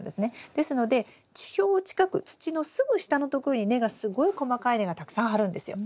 ですので地表近く土のすぐ下のところに根がすごい細かい根がたくさん張るんですよ。